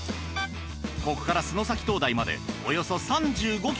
ここから洲埼灯台までおよそ３５ｋｍ。